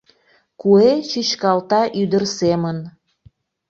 Куэ чӱчкалта ӱдыр семын